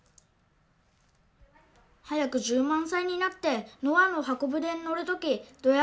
早く１０万歳になってノアの箱舟に乗るときどや